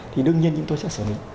thì đương nhiên chúng tôi sẽ xử lý